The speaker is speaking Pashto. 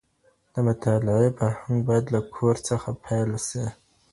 د مطالعې فرهنګ بايد له کور څخه پيل سي.